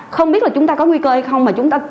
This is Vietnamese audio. không biết là chúng ta có nguy cơ hay không